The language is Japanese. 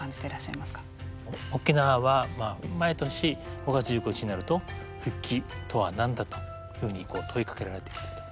沖縄は毎年５月１５日になると復帰とは何だというふうに問いかけられてきたと。